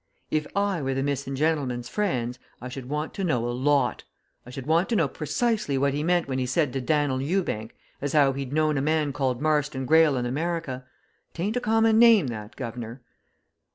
If I were the missing gentleman's friends I should want to know a lot! I should want to know precisely what he meant when he said to Dan'l Ewbank as how he'd known a man called Marston Greyle in America. 'Taint a common name, that, guv'nor."